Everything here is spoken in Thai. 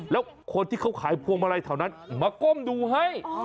แล้วคนที่เขาขายพวงมาลัยแถวนั้นมาก้มดูให้